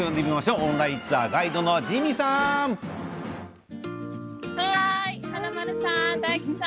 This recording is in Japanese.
オンラインツアーガイドの華丸さん、大吉さん